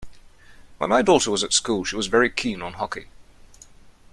When my daughter was at school she was very keen on hockey